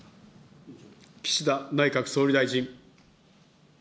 岸田内閣総理大臣。